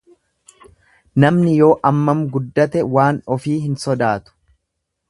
Namni yoo ammam guddate waan ofii hin sodaatu.